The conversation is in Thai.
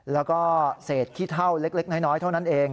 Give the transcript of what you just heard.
แล้วก็เศษขี้เท่าเล็กน้อยเท่านั้นเอง